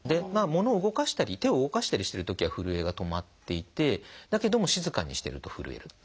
物を動かしたり手を動かしたりしてるときはふるえが止まっていてだけども静かにしてるとふるえる。